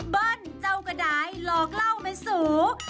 เบิ้ลเจ้าก็ได้หลอกเล่าไม่สูง